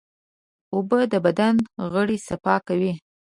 اوبه د بدن غړي صفا کوي.